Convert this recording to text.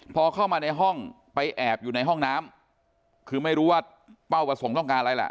พอเข้ามาในห้องไปแอบอยู่ในห้องน้ำคือไม่รู้ว่าเป้าประสงค์ต้องการอะไรแหละ